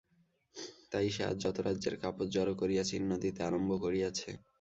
তাই সে আজ যত রাজ্যের কাপড় জড়ো করিয়া চিহ্ন দিতে আরম্ভ করিয়াছে।